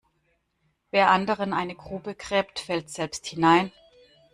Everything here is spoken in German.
Wer anderen eine Grube gräbt, fällt selbst hinein.